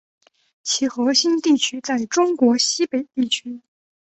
其核心地区在中国西北地区。